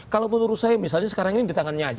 kalau menurut saya misalnya sekarang ini di tangannya aja